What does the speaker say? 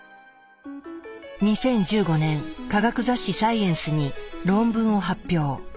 ２０１５年科学雑誌「サイエンス」に論文を発表。